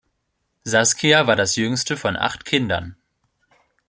Saskia war das jüngste von acht Kindern.